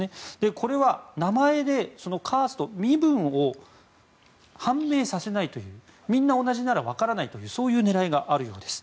これは、名前でカースト身分を判明させないというみんな同じなら分からないという狙いがあるようです。